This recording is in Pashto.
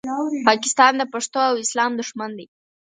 پاکستان د پښتنو او اسلام دوښمن دی